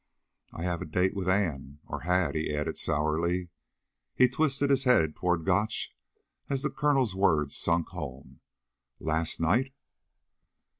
"I have a date with Ann. Or had," he added sourly. He twisted his head toward Gotch as the Colonel's words sunk home. "Last night?"